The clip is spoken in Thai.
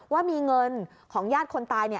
ว่ามีเงินของญาติคนตาย